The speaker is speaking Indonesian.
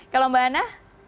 kalau mbak anna